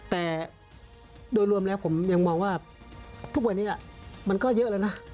แต่โดยรวมแล้วผมยังมองว่าทุกวันนี้มันก็เยอะแล้วนะ